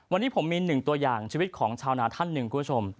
วันนี้ผมมีหนึ่งตัวอย่างชีวิตของชาวนาท่านหนึ่งคุณผู้ชม